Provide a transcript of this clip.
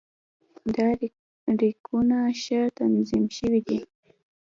دا ریکونه ښه تنظیم شوي دي.